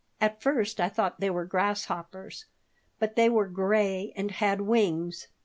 At first I thought they were grasshoppers, but they were gray and had wings.